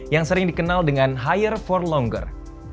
yang sering dikenal dengan hire for longer